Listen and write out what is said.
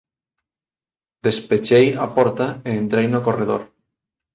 Despechei a porta e entrei no corredor.